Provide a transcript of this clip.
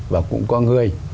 và cũng có người